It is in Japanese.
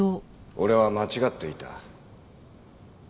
俺は間違っていた。